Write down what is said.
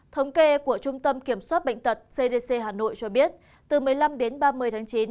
thống kê của trung tâm kiểm soát bệnh tật cdc hà nội cho biết từ một mươi năm đến ba mươi tháng chín